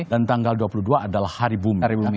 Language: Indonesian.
dan tanggal dua puluh dua adalah hari bumi